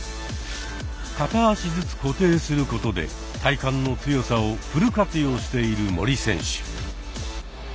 片足ずつ固定することで体幹の強さをフル活用している森選手。